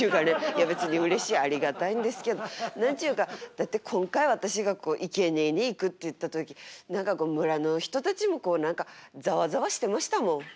いや別にうれしいありがたいんですけど何ちゅうかだって今回私がこういけにえに行くっていった時何か村の人たちも何かざわざわしてましたもん。